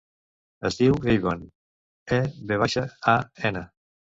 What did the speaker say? Es diu Evan: e, ve baixa, a, ena.